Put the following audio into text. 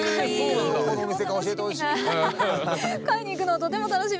どこの店か教えてほしい。